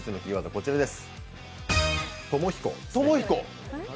こちらです。